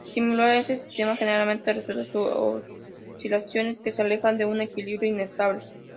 Simular este sistema generalmente resulta en oscilaciones que se alejan de un equilibrio inestable.